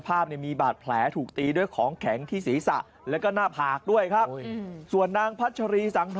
อาการเป็นยังไงฮะ